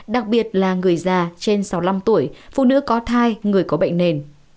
đặc biệt là người già trên sáu mươi năm tuổi phụ nữ có thai người có bệnh nền